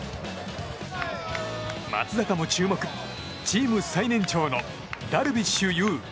松坂も注目チーム最年長のダルビッシュ有。